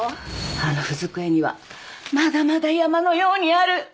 あの文机にはまだまだ山のようにある！